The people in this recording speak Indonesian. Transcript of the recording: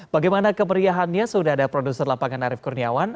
bagaimana kemeriahannya sudah ada produser lapangan arief kurniawan